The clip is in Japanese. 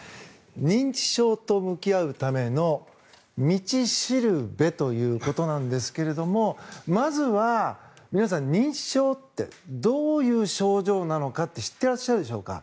認知症と向き合うための道しるべということなんですがまずは皆さん、認知症ってどういう症状なのかって知っていらっしゃるでしょうか。